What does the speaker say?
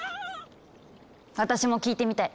私も聴いてみたい。